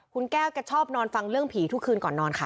คุณแก้วแกชอบนอนฟังเรื่องผีทุกคืนก่อนนอนค่ะ